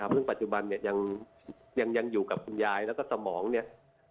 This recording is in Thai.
ซึ่งปัจจุบันเนี่ยยังอยู่กับคุณยายแล้วก็สมองเนี่ย